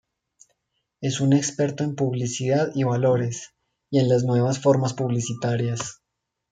Es un experto en Publicidad y valores, y en las nuevas formas publicitarias.